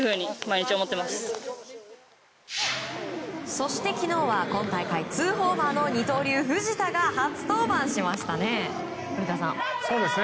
そして昨日は今大会２ホーマーの二刀流、藤田が初登板しましたね、古田さん。